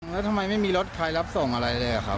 แล้วทำไมไม่มีรถใครรับส่งอะไรเลยครับ